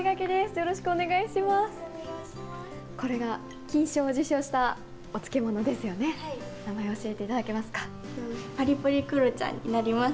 よろしくお願いします。